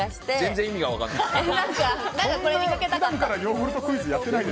全然意味が分からない。